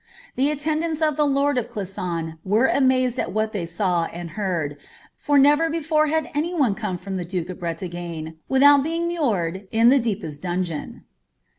The> attendnnis o( the lord of Clisson were amazed ai what they saw usl' hmnl, for never before had any one come from the duke of Brelagnc^ withfiul Iwing mured in the deepest dungeon.'